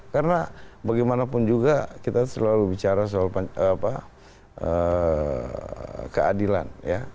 karena bagaimanapun juga kita selalu bicara soal keadilan